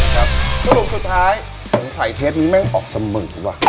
ครับชุดท้ายสายเทสนี้แม่งออกสมมุมหรอ